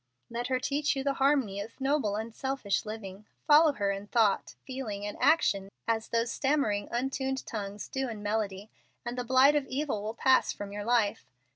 "Let her teach you the harmony of noble, unselfish living. Follow her in thought, feeling, and action, as those stammering, untuned tongues do in melody, and the blight of evil will pass from your life.